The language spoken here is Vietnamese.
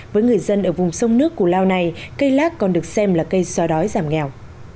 với người dân ở vùng sông nước củ lao này cây lác còn được xem là cây xóa đói giảm nghèo